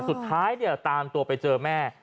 สุดท้ายตามตัวไปเจอแม่